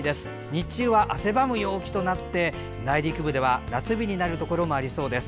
日中は汗ばむ陽気となって内陸部では夏日になるところもありそうです。